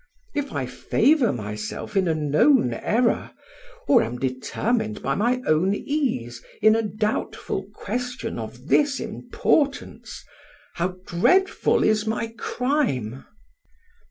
If I favour myself in a known error, or am determined by my own ease in a doubtful question of this importance, how dreadful is my crime!"